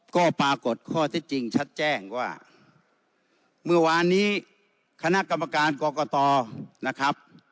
ก็ปรากฏข้อเท็จจริงชัดแจ้งว่าเมื่อวานนี้คณะกรรมการกรกตนะครับ